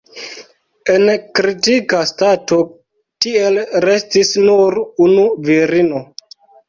En kritika stato tiel restis nur unu virino.